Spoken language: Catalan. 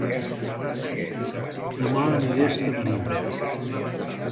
Dema aniré a Estamariu